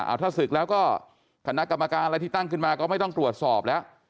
เอาถ้าศึกแล้วก็คณะกรรมการอะไรที่ตั้งขึ้นมาก็ไม่ต้องตรวจสอบแล้ว